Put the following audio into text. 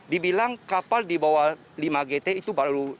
dibilang kapal di bawah lima gt itu baru